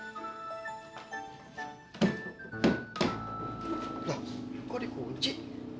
nah kok dikunci